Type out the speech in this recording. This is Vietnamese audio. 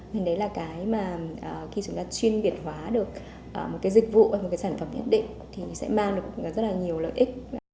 thì đấy là cái mà khi chúng ta chuyên biệt hóa được một cái dịch vụ và một cái sản phẩm nhất định thì nó sẽ mang được rất là nhiều lợi ích